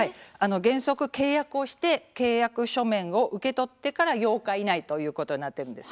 原則、契約して契約書面を受け取ってから８日以内ということになっています。